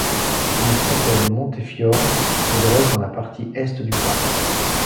Une fontaine Montefiore se dresse dans la partie est du parc.